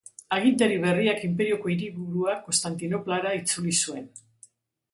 Agintari berriak inperioko hiriburua Konstantinoplara itzuli zuen.